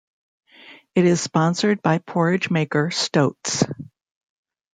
It is sponsored by porridge maker Stoats.